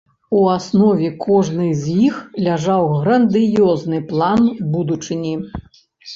У аснове кожнай з іх ляжаў грандыёзны план будучыні.